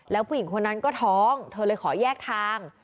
แล้วผู้หญิงคนนั้นก็ท้องเธอเลยขอแยกทาง